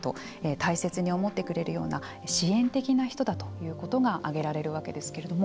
大切に思ってくれるような支援的な人だということが挙げられるわけですけれども。